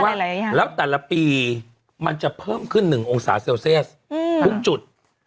แล้วแต่ละปีมันจะเพิ่มขึ้น๑องศาเซลเซียสทุกจุด